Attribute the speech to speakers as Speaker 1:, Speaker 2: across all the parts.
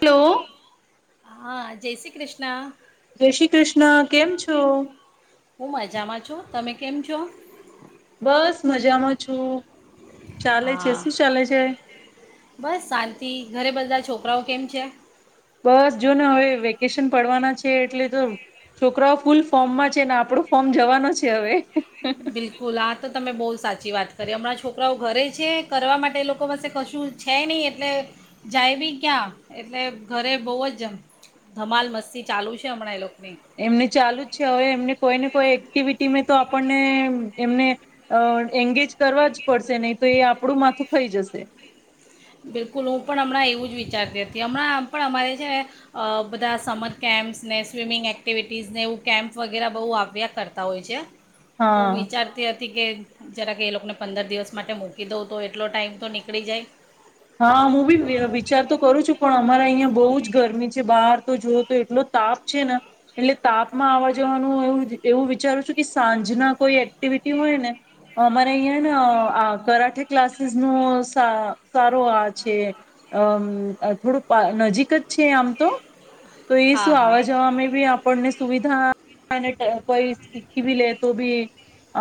Speaker 1: Hello
Speaker 2: હા જય શ્રી કૃષ્ણ.
Speaker 1: જય શ્રી કૃષ્ણ કેમ છો?
Speaker 2: છો તમે કેમ છો?
Speaker 1: બસ મજામાં છું. ચાલે છે
Speaker 2: હા
Speaker 1: શું ચાલે છે
Speaker 2: બસ શાંતિ ઘરે બધા છોક રાવ કેમ છે?
Speaker 1: બસ જોને હવે વેકેશન પડવાના છે એટલે તો છોકરાઓ ફૂલ ફોર્મમાં છે ને આપણો ફોર્મ જવાનો છે હવે.
Speaker 2: બિલકુલ આ તો તમે બહુ સાચી વાત કરી હમણાં છોકરાઓ ઘરે છે કરવા માટે એ લોકો પાસે કશું છે નહીં એટલે જાય બી ક્યાં એટલે ઘરે બહુ જ ધમાલ મસ્તી ચાલુ છે હમણાં એ લોકો
Speaker 1: એમને ચાલુ જ છે હવે એમને કોઈ ને કોઈ એક્ટિવિટી મે તો આપણને એમને અ એંગેજ કરવા જ પડશે નહીં તો એ આપણું માથું ખઈ જશે.
Speaker 2: બિલકુલ હું પણ હમણાં એવું જ વિચારતી હતી હમણાં આમ પણ અમારે છે બધા સમર કેમ્પ્સને સ્વિમિંગ એક્ટિવિટીઝને એવું કેમ્પ વગેરે બહુ આવ્યા કરતા હોય છે. તો
Speaker 1: હા
Speaker 2: વિચારતી હતી કે જરા કે એ લોકોને પંદર દિવસ માટે મૂકી દઉં તો એટલો ટાઈમ તો નીકળી જાય.
Speaker 1: હા હું બી વિચાર તો કરું છું પણ અમારા અહિયાં બહુ જ ગરમી છે બહાર તો જોવ તો એટલો તાપ છે ને એટલે તાપમાં આવા જવાનું એવ એવું વિચારું છું કે સાંજના કોઈ એક્ટિવિટી હોય ને અમારે અયા હે ને અ કરાઠે ક્લાસીસ નું સા સારો આ છે અમ થોડું નજીક જ છે આમ તો. તો એ
Speaker 2: હા
Speaker 1: શું આવવા
Speaker 2: હા
Speaker 1: જવામાં બી આપણને સુવિ ધા અને કોઈ સીખી ભી લે તો ભી અ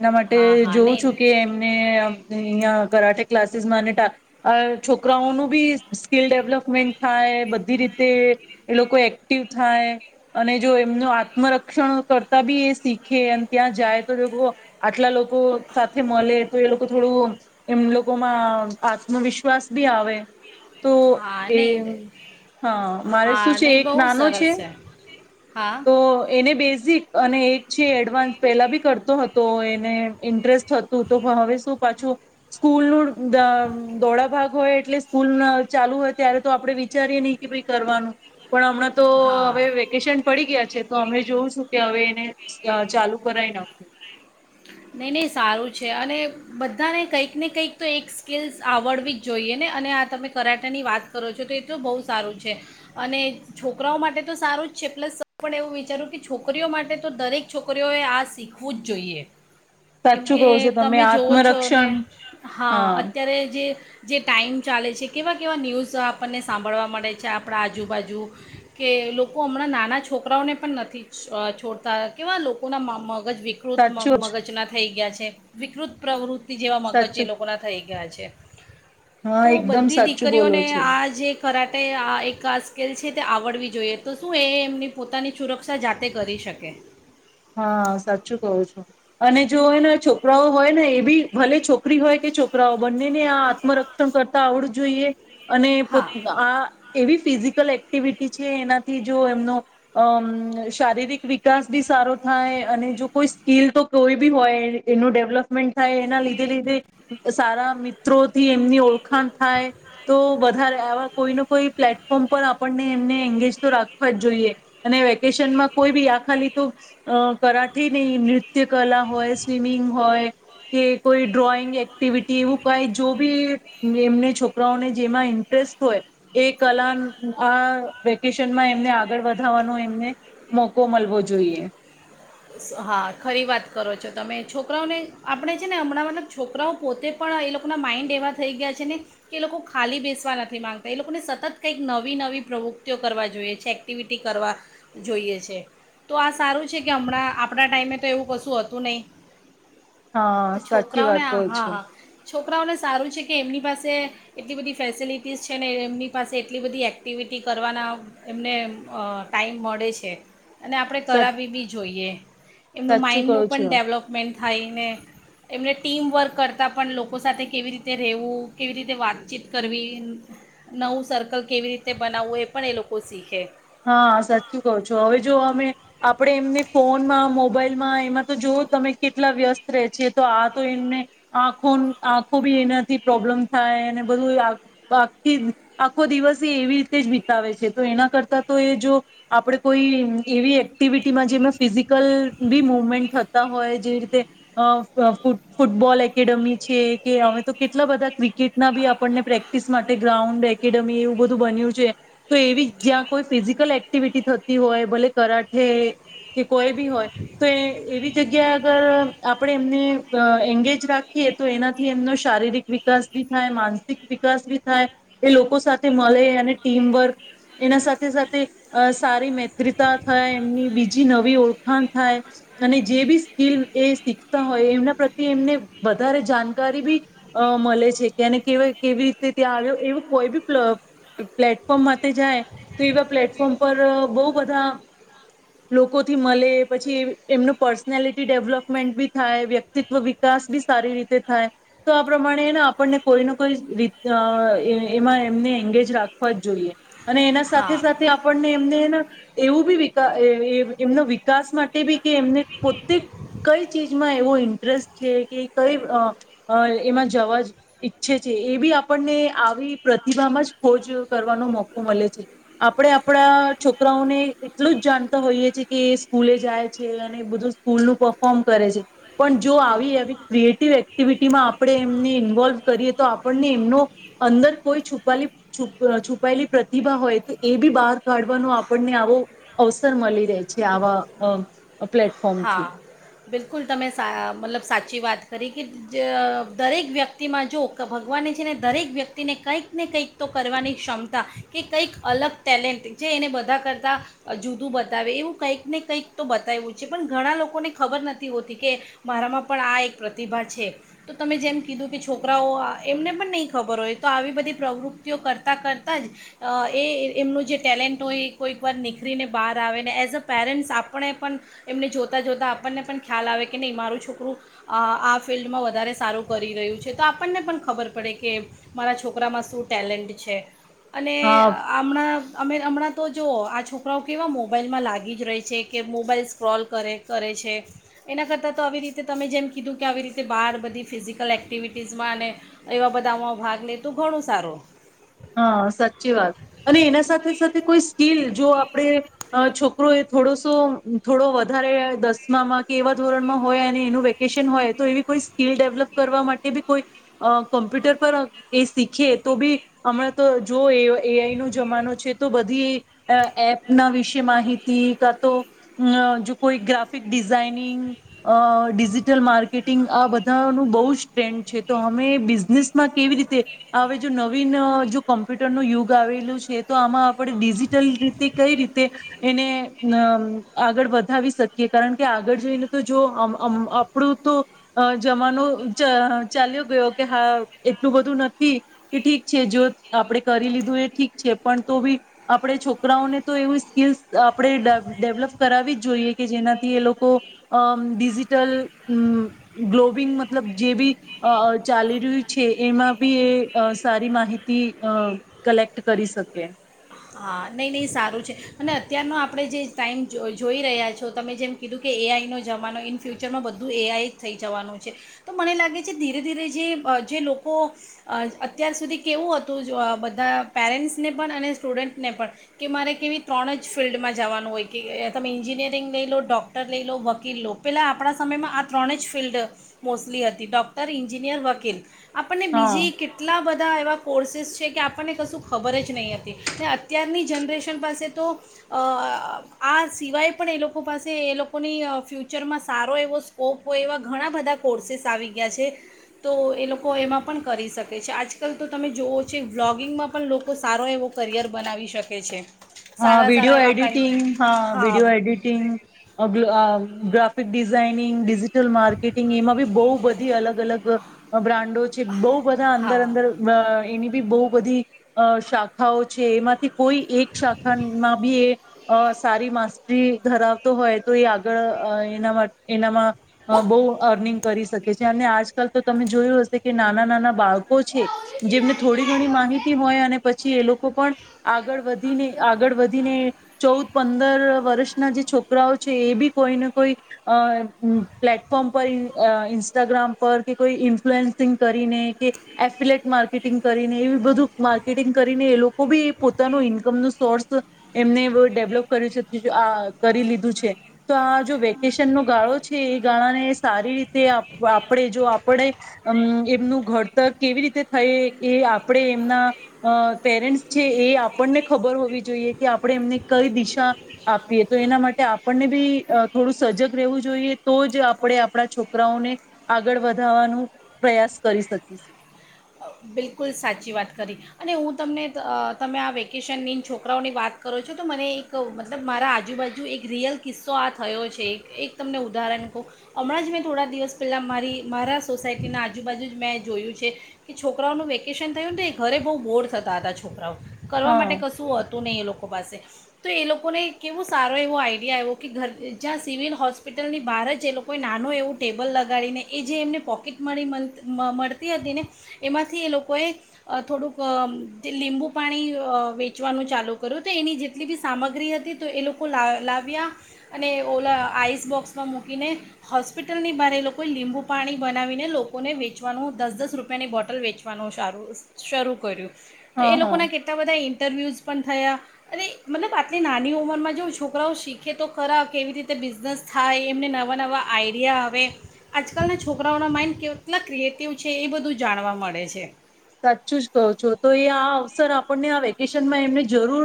Speaker 1: એના માટે
Speaker 2: હા હા
Speaker 1: જોઉં
Speaker 2: નહીં
Speaker 1: છું
Speaker 2: નહીં.
Speaker 1: કે એમને અહીંયા કરાટે ક્લાસ [unintelligible] છોકરાઓનું ભી સ્કીિલ ડેવલપમેન્ટ થાય બધી રીતે એ લોકો એક ક્ટિવ થાય અને જો એમનું આત્મરક્ષણ કરતા બી એ શીખે અને ત્યાં જાય તો જો આટલા લોકો સાથે મળે તો એ લોકો થોડું એમ લોકોમાં આત્મવિશ્વાસ બી આવે તો
Speaker 2: હા
Speaker 1: એ
Speaker 2: નહીં નહીં.
Speaker 1: હા મારે શું
Speaker 2: હા
Speaker 1: છે
Speaker 2: નહીં
Speaker 1: એક
Speaker 2: બહુ
Speaker 1: નાનો છે
Speaker 2: સરસ હા
Speaker 1: તો એને બેસ [unintelligible] અને એક છે એડવાન્સ પેલા બી કરતો હ તો એને ઇન્ટરેસ્ટ થતું તો હવે શું પાછું સ્કૂલ નું દ દોડા ભાગ હોય એટલે સ્કૂલ ચાલુ હોય ત્યારે તો આપડે વિચારીએ નહી કે ભાઈ કરવાનું પણ હમણાં તો હવે
Speaker 2: હા
Speaker 1: વેકેશન પડી ગયા છે તો અમે જોઉં છું કે હવે એને ચાલુ કરાઈ નાખું.
Speaker 2: નહીં નહીં સારું છે અને બધાને કંઈક ને કંઈક તો એક સ્કિલ્સ આવડવી જ જોઈએ ને અને આ તમે કરાટાની વાત કરો છો તો એ તો બહુ સારું છે અને છોકરાઓ માટે તો સારું જ છે પ્લસ પણ એવું વિચારું કે છોકરીઓ માટે તો દરેક છોકરીઓએ આ શીખવું જ જોઈએ.
Speaker 1: સાચું કહો છો
Speaker 2: કેમકે તમે જોઓ છો ને
Speaker 1: આત્મરક્ષણ
Speaker 2: હા અત્યારે જે જે ટાઈમ ચાલે છે. કેવા કેવા ન્યૂઝ આપણને સાંભળવા મળે છે આપણા આજુબાજુ કે લોકો હમણાં નાના છોકરાઓને પણ નથી છોડતા કેવા લોકોના મામ મગજ વિકૃત મ
Speaker 1: સાચું જ
Speaker 2: મગજના થઈ ગયા છે. વિકૃત પ્રવૃત્તિ જેવા મગજ એ
Speaker 1: સાચું
Speaker 2: લોકો ના થઇ. [unintelligible]
Speaker 1: હા
Speaker 2: તો
Speaker 1: એકદમ
Speaker 2: બધી
Speaker 1: સાચું બોલો
Speaker 2: દીકરીઓને
Speaker 1: છો
Speaker 2: આ જે કરાટ માટે આ એક સ્કેલ છે તે આવડવી જોઈએ તો શું એ એમની પોતાની સુરક્ષા જાતે કરી શકે.
Speaker 1: હા સાચું કહું છું અને જો હોયને છોકરાઓ હોય ને એ બી ભલે છોકરી હોય કે છોકરાઓ બંને આત્મરક્ષણ કરતા આવડું જોઈએ અને પો
Speaker 2: હા
Speaker 1: આ એવી ફિઝિકલ એક્ટિવિટી છે એનાથી જો એમનો અ શારીરિક વિકાસ બી સારો થાય અને જો કોઈ સ્કીિલ તો કોઈ બી હોય એનું ડેવલપ મિઠા એ એના લીધે લીધે સારા મિત. [unintelligible] થી એમની ઓળખાણ થાય તો વધારે આવા કોઈને કોઈ પ્લેટફોર્મ પર આપણને એમને એંગેજ તો રાખવા જ જોઈએ અને વેકેશનમાં કોઈ બી આ ખાલી તો કરાઠી નહીં નૃત્ય કલા હોય સ્વિમિંગ હોય કે કોઈ ડ્રોઈંગ એક્ટિવિટી એવું કાંઈ જો બી એમને છોકરાઓને જેમાં ઇન્ટરેસ્ટ હોય એ કલા આ વેકેશનમાં એમને આગળ વધારવાનો એમને મોકો મલવો જોઈએ.
Speaker 2: હા ખરી વાત કરો છો તમે છોકરાઓને આપણે છે ને હમણાં મ છોકરાઓ પોતે પણ એ લોકોના માઇન્ડ એવા થઈ ગયા છે ને કે એ લોકો ખાલી બેસવા નથી માગતા એ લોકોને સતત કંઈક નવી નવી પ્રવૃત્તિઓ કરવા જોઈએ છે એક્ટિવિટી કરવા જોઈએ છે તો આ સારું છે કે હમણાં અ આપણા ટાઈમે તો એવું કશું હતું નહીં.
Speaker 1: હા સાચી
Speaker 2: છોકરાઓને
Speaker 1: વાત કહું છું
Speaker 2: હા છોકરાઓને સારું છે કે એમની પાસે સે એટલી બધી ફેસિલિટીઝ છે ને એમની પાસે એટલી બધી એક્ટિવિટી કરવાના એમને ટાઈમ મળે છે. અને આપણે કરાવવી બી જોઈએ. એમનું
Speaker 1: સાચું
Speaker 2: માઇન્ડ ન
Speaker 1: કહું
Speaker 2: પણ
Speaker 1: છું
Speaker 2: ડેવલપમેન્ટ થાયને એમને ટીમવર્ક કરતાં પણ લોકો સાથે કેવી રીતે રહેવું કેવી રીતે વાતચીત કરવી નવું સર્કલ કેવી રીતે બનાવવું એ પણ એ લોકો શીખે.
Speaker 1: હા સાચું કહ છો હવે જો અમે આપણે એમને ફોનમાં મોબાઈલમાં એમાં તો જો તમે કેટલા વ્યસ્ત ર છી તો આ તો એમને આખો આંખો બી એનાથી પ્રોબ્લેમ થાય અને બધું આખી આખો દિવસ એવી રીતે જ બીતાવે છે તો એના કરતાં તો એ જો આપડે કોઈ એવી એક્ટિવિટીમાં જે મા ફિઝિકલ બી મુવમેન્ટ થત તા હોય જે રીતે અ ફૂટબોલ એકેડેમી છે કે અમે તો કેટલા બધા ક્રિકેટના બી આપણને પ્રેક્ટિસ માટે ગ્રાઉન્ડ એકેડેમી એવું બધું બન્યું છે તો એવી જ્યાં કોઈ ફિઝિકલ એક્ટિવિટી થતી હોય ભલે કરાઠે કે કોઈ બી હોય તો એવી જગ્યાએ અગર આપણે એમને અ એંગેજ રાખીએ તો એનાથી એમનો શારીરિક વિકાસ બી થાય, માનસિક વિકાસ બી થાય, એ લોકો સાથે મળે અને ટીમવર્ક એના સા થે સાથે અ સારી મૈતતા થાય, એમની બીજી નવી ઓળખાણ થાય, અને જે બી સ્કીિલ એ શીખતા હોય એમના પ્રત્યે એમને વધારે જાણકારી બી અ મળે છે. કે એ કેવી રીતે ત્યાં આવ્યો એવું કોઈ બી પ્લ પ્લેટફોર્મ માટે જાય તે એવા પ્લેટફોર્મ પર બહુ બધા લોકોથી મળે પછી એમનું પર્સનાલિટી ડેવલપમેન્ટ બી થાય. વ્યક્તિત્વ વિકાસ બી સારી રીતે થાય. તો આ પ્રમાણે આપણને કોઈને કોઈ રી એમાં એમને એંગેજ રાખવા જ જોઈએ. અને સાથે
Speaker 2: હા
Speaker 1: સાથે આ પણને એમને એના એવું બી વિકા એમનો વિકાસ માટે બી કે એમને પોતે કઈ ચીજમાં એવો ઇન્ટરેસ્ટ છે કે કઈ અ એમાં જવા ઈચ્છે છે એ બી આપણને આવી પ્રતિભામાં જ ખોજ કરવાનો મોકો મળે છે. આપણે આપણા છોકરાઓને એટલું જ જાણતા હોઈએ છેએ કે, એ સ્કૂલે જાય છે અને બધું સ્કૂલનું પફોર્મ કરે છે પણ જો આવી
Speaker 2: બિલકુલ
Speaker 1: આવી ક્રિએટિવ એક્ટિવિટીમાં આપણે એમને ઇન્વોલ્વ કરીએ તો આપણને એમનો અંદર કોઈ છુપાયેલી છુપ છુપાયેલી પ્રતિભા હોય તો એ બી બહાર કાઢવાનો આપણને આવો અવસર મળી રહે છે આવા અ પ્લેટફોર્મથી.
Speaker 2: હા બિલકુલ તમે સા મતલબ સાચી વાત કરી. કે જ દરેક વ્યક્તિમાં જો ભગવાનને છે ને દરેક વ્યક્તિને કંઈક ને કંઈક તો કરવાની ક્ષમતા કે કંઈક અલગ ટેલેન્ટ જે એને બધા કરતાં જુદું બતાવે એવું કંઈક ને કંઈક તો બતાવવું છે. પણ ઘણા લોકોને ખબર નથી હોતી કે મારામાં પણ આ એક પ્રતિભા છે તો તમે જેમ કીધું કે છોકરાઓ એમને પણ નહીં ખબર હોય તો આવી બધી પ્રવૃત્તિઓ કરતાં કરતાં જ અ એ એમનું જે ટેલેન્ટ હોય કોઈકવાર નીકળીને બહાર આવે ને એઝ અ પેરેન્ટ્સ આપણે પણ એમને જોતાં જોતાં આપણને પણ ખ્યાલ આવે કે નહીં મારું છોકરું અ આ ફિલ્ડમાં વધારે સારું કરી રહ્યું છે. તો આપણને પણ ખબર પડે કે મારા છોકરામાં શું ટેલેન્ટ છે. અને
Speaker 1: હા
Speaker 2: આમણાં અમે હમણાં તો જોઓ આ છોકરાઓ કેવા મોબાઈલમાં લાગી જ રહી છે કે મોબાઈલસ સ્ક્રોલ કરે કરે છે એના કરતાં તો આવી રીતે તમે જેમ કીધું કે આવી રીતે બહાર બધી ફિઝિકલ એક્ટિવિટીઝમાં અને એવા બધામાં ભાગ લે તો ઘણું સારું.
Speaker 1: હા સાચી વાત અને એના સાથે સાથે કોઈ સ્કીિલ જો આપણે અ છોકરો એ થોડોસો થોડો વધારે દસમામાં કે એવા ધોરણમાં હોય અને એનું વેકેશન હોય તો એવી કોઈ સ્કિલ ડેવલપ કરવા માટે બી કોઈ કમ્પ્યુટર પર એ શીખીએ તો બી હમણાં તો જો એ એ આઈ નો જમાનો છે તો બધી એપના વિશે માહિતી કા તો અ જો કોઈ graphic designing uh digital marketing આ બધાનું બહુ જ ટ્રેન્ડ છે તો અમે બિઝનેસમાં કેવી રીતે આવે જો નવી ન જો કોમ્પ્યુટર નું યુગ આવેલું છે, તો આમાં આપણે ડિજિટલ રીતે કઈ રીતે એને ન આગળ વધાવી શકીએ કારણ કે આગળ જઈને તો જો આમ આપણો તો જમાનો ચ ચાલ્યો ગયો કે હા એટલું બધું નથી કે ઠીક છે. જો આપણે કરી લીધું એ ઠીક છે પણ તો બી આપણે છોકરાઓને તો એવું સ્કીલ્સ આપણે ડેવ ડેવલપ કરાવવી જ જોઈએ કે જેનાથી એ લોકો અ ડિજિટલમ ગ્લોબિંગ મતલબ જે બી ચાલી રહ્યું છે એમાં બી એ સારી માહિતી અ કલેક્ટ કરી શકે.
Speaker 2: હા નહીં નહીં સારું છે અને અત્યારનો આપણે જે ટાઈમ જો જોઈ રહ્યા છો તમે જેમ કીધું કે એ આઈ નો જમાનો ઇન ફ્યુચરમાં બધું એ આઈ જ થઈ જવાનું છે તો મને લાગે છે ધીરે ધીરે જે જે લોકો અત્યાર સુધી કેવું હતું બધા પેરેન્ટ્સને પણ અને સ્ટુડન્ટ ને પણ કે મારે કેવી ત્રણ જ ફિલ્ડમાં જવાનું હોય કે તમે ઇન્જિનિયરિંગ લઈ લો ડૉક્ટર લઈ લો વકીલ લો પહેલાં આપણા સમયમાં આ ત્રણ જ ફિલ્ડ મોસ્ટલી હતી ડૉક્ટર, ઇન્જિનિયર, વકીલ. આપણને
Speaker 1: હા
Speaker 2: બીજી કેટલા બધ ધા એવા કોર્સેસ છે કે આપણને કશું ખબર જ નહીં હતી ને અત્યારની જનરેશન પાસે તો અ આ સિવાય પણ એ લોકો પાસે એ લોકોની ફ્યુચરમાં સારો એવો સ્કોપ હોય એવા ઘણા બધા કોર્સેસ આવી ગયા છે તો એ લોકો એમાં પણ કરી શકે છે. આજકાલ તો તમે જોવો છે વ્લોગિંગમાં પણ લોકો સારો એવો કરિયર બનાવી શકે છે.
Speaker 1: હા
Speaker 2: સારા
Speaker 1: વિડિયો
Speaker 2: સારા એવા કંઈ
Speaker 1: એડિટિંગ, હા વિડિયો એડિટિંગ અ graphic. Designing digital marketing એમાં બી બહુ બધી અલગ અલગ બ્રાન્ડો છે. બહુ બધા અંદર
Speaker 2: હા
Speaker 1: અંદર એની બી બહ બધી અ શાખાઓ છે એમાંથી કોઈ એક શાખામાં બી એ સારી માસ્ટરી ધરાવતો હોય તો એ આગળ એના એનામાં બહુ અર્નિંગ કરી શકે છે. અને આજકાલ તો તમે જોયું હશે કે નાના નાના બાળકો કો છે જેમને થોડી ઘણી માહિતી હોય અને પછી એ લોકો પણ આગળ વધ ઘીને આગળ વધીને ચૌદ પંદર વર્ષના જે છોકરાઓ તે એ બી કોઈને કોઈ અ પ્લેટફોર્મ પર અ ઇન્સ્ટાગ્રામ પર કે કોઈ ઇન્ફલુઅન્સિંગ કરીને કે એફિલેટ માર્કેટિંગ કરીને એ બધું માર્કેટિંગ કરીને એ લોકો બી પોતાનું ઇન કમ નુ સોર્સ તો એમને ડેવલપ કરું છે આ કરી લીધું છે તો આ જો વેકેશન નો ગાળો છે એ ગાળાને સારી રીતે આપણે જો આપણે એમનું ઘડતર કેવી રીતે થય કે આપણે એમના અ પેરેન્ટ્ છે એ આપણને ખબર હોવી જોઈએ કે આપણે એમને કઈ દિશા આપીએ તો એના માટે આપણને બી થોડું સજગ રહેવું જોઈએ તો જ આપણે આપણા છોકરાઓને આગળ વધવાનું પ્રયાસ કરી શક.
Speaker 2: બિલકુલ સાચી વાત કરી અને હું તમને તમે આ વેકેશનની છોકરાઓની વાત કરો છો તો મને એક મતલબ મારા આજુબાજુ એક રિયલ કિસ્સો આ થયો છે એક એક તમને ઉદાહરણ કહું હમણાં જ મેં થોડા દિવસ પેલા મારી મારા સોસાયટીના આજુબાજુ જ મેં જોયું છે. કે છોકરાઓનું વેકેશન થયું ને એ ઘરે બહુ બોર થતાં હતા છોકરાઓ કરવા
Speaker 1: હા
Speaker 2: માટે કશું હતું નહી એ લોકો પાસે તો એ લોકોને કેવો સારો એવો આઈડિયા આવ્યો કે ઘર જ્યાં સિવિલ હોસ્પિટલની બહાર જ એ લોકોએ નાનો એવું ટેબલ લગાડીને એ જે એમને પોકેટ મળી મળતી હતી ને એમાંથી એ લોકોએ થોડુંક લીંબુ પાણી વેચવાનું ચાલુ કર્યું, તો એની જેટલી બી સામગ્રી હતી તો એ લોકો લા લાવ્યા અને ઓલા આઇસ બોક્સમાં મૂકીને હોસ્પિટલની બહાર એ લોકોએ લીંબુ પાણી બનાવીને લોકોને વેચવાનું દસ - દસ રૂપિયાની બોટલ હોટલ વેચવાનું સારું શરૂ કર્યું. તો એ
Speaker 1: હા
Speaker 2: લોકો
Speaker 1: હા
Speaker 2: ના કેટલા બધા. ઇન્ટરવ્યૂઝ પણ થયા અને મતલબ આટલી નાની ઉંમરમાં જો છોકરાઓ શીખે તો ખરા કેવી રીતે બિઝનેસ થાય એમને નવા નવા આઈડિયા આવે, આજકાલના છોકરાઓના માઇન્ડ કેટલા ક્રિએટિવ છે એ બધું જાણવા મ મળે છે.
Speaker 1: સાચું જ કહો છો તો એ આ અવસર આપણને આ વેકેશનમાં એમને જરૂર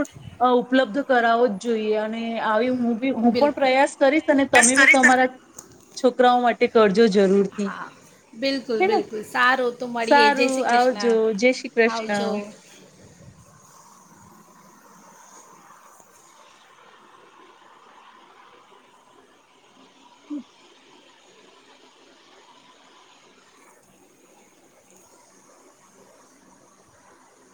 Speaker 1: ઉપલબ્ધ. કરાવો જ જોઈએ અને આવી હ હું પણ
Speaker 2: બિલકુલ
Speaker 1: પ્રયાસ કરીશ અને
Speaker 2: બસ
Speaker 1: તમે બી તમારા.
Speaker 2: કરીશ
Speaker 1: છોકરાઓ માટે કરજ
Speaker 2: હા, બિલકુલ-બિલકુલ સારું તો મળીએે જય શ્રી કૃષ્ણ.
Speaker 1: જો જય શ્રી
Speaker 2: આવજો
Speaker 1: કૃષ્ણ.